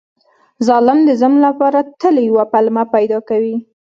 ظالم د ظلم لپاره تل یوه پلمه پیدا کوي.